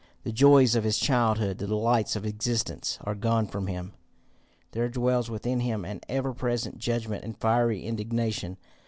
The joys of his childhood, the delights of existence, are gone from him. There dwells within him an ever present judgment and fiery indignation.